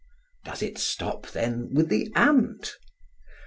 Does it stop, then, with the ant?